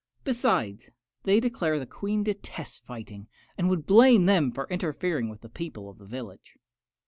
Besides, they declare the Queen detests fighting, and would blame them for interfering with the people of the village."